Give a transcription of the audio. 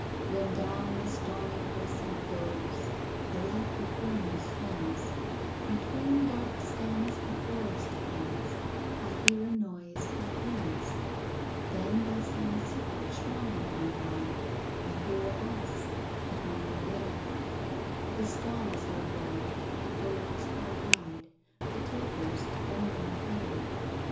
When down the stormy crescent goes, A light before me swims, Between dark stems the forest glows, I hear a noise of hymns: Then by some secret shrine I ride; I hear a voice, but none are there; The stalls are void, the doors are wide, The tapers burning fair.